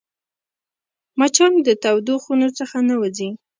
مچان د تودو خونو څخه نه وځي